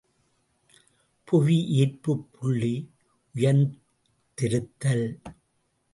புவி ஈர்ப்புப் புள்ளி உயர்ந்திருத்தல்.